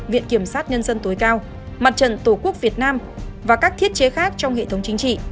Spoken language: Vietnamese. viện kiểm sát nhân dân tối cao mặt trận tổ quốc việt nam và các thiết chế khác trong hệ thống chính trị